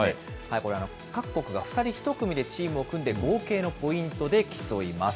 これ、各国が２人１組でチームを組んで、合計のポイントで競います。